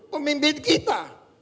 jangan justru pemimpin kita